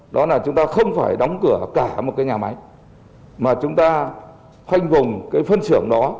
đó là chúng ta không phải đóng cửa cả một cái nhà máy mà chúng ta khoanh vùng cái phân xưởng đó